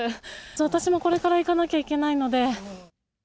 私もこれから行かなきゃいけないので。